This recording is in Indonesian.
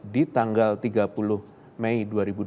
di tanggal tiga puluh mei dua ribu dua puluh